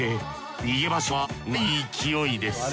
逃げ場所はない勢いです。